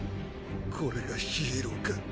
これがヒーローか？